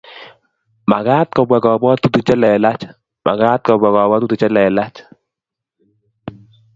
Magat ko bwa kabuatutik che lelach Magat ko bwa kabuatutik che lelach